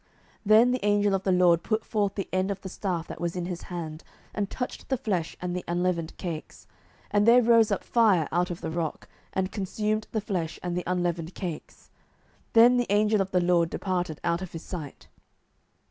07:006:021 Then the angel of the LORD put forth the end of the staff that was in his hand, and touched the flesh and the unleavened cakes; and there rose up fire out of the rock, and consumed the flesh and the unleavened cakes. Then the angel of the LORD departed out of his sight.